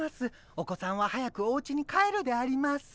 お子さんは早くおうちに帰るであります。